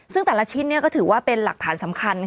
ซึ่งแต่ละชิ้นก็ถือว่าเป็นหลักฐานสำคัญ